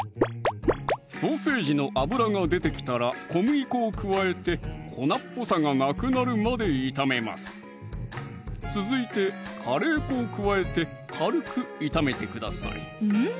ソーセージの脂が出てきたら小麦粉を加えて粉っぽさがなくなるまで炒めます続いてカレー粉を加えて軽く炒めてくださいうん